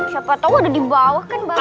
siapa tau ada di bawah kan baru